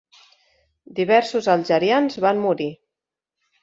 Diversos algerians van morir.